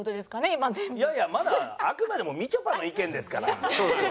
いやいやまだあくまでもみちょぱの意見ですから。